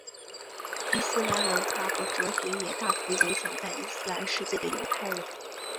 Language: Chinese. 伊斯兰文化和哲学也大幅影响在伊斯兰世界的犹太人。